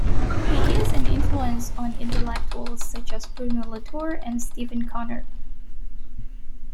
He is an influence on intellectuals such as Bruno Latour and Steven Connor.